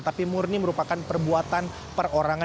tapi murni merupakan perbuatan perorangan